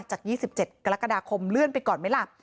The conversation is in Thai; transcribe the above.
จาก๒๗กรกฎาคมเลื่อนไปก่อนไหมล่ะ